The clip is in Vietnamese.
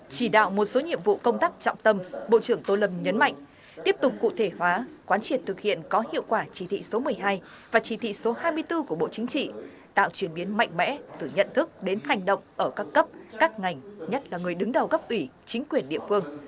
chỉ đạo một số nhiệm vụ công tác trọng tâm bộ trưởng tô lâm nhấn mạnh tiếp tục cụ thể hóa quán triệt thực hiện có hiệu quả chỉ thị số một mươi hai và chỉ thị số hai mươi bốn của bộ chính trị tạo chuyển biến mạnh mẽ từ nhận thức đến hành động ở các cấp các ngành nhất là người đứng đầu gấp ủy chính quyền địa phương